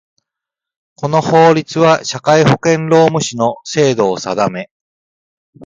この法律は、社会保険労務士の制度を定め